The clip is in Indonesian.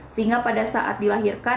sehingga pada saat dilahirkan